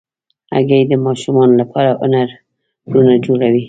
هګۍ د ماشومانو لپاره هنرونه جوړوي.